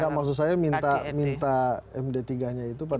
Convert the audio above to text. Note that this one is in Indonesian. enggak maksud saya minta m tiga nya itu pada saat